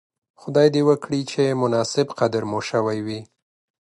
خدای دې وکړي چې مناسب قدر مو شوی وی.